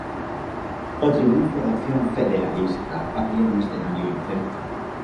O triunfo da opción "federalista" abría un escenario incerto.